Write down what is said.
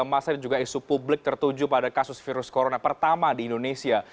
masa dan juga isu publik tertuju pada kasus virus corona pertama di indonesia